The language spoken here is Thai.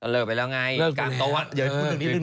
เลิกไปแล้วไงเดี๋ยวให้พูดอีกนิดนึง